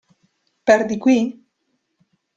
Per di qui?